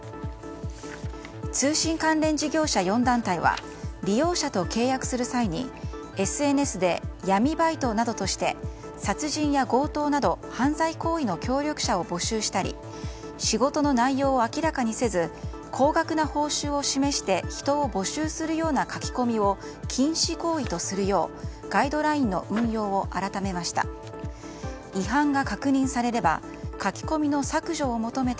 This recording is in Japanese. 通信関連事業者４団体は利用者と契約する際にＳＮＳで、闇バイトなどとして殺人や強盗など犯罪行為の協力者を募集したり仕事の内容を明らかにせず高額な報酬を示して人を募集するような書き込みを禁止行為とするようガイドラインの運用を改めました。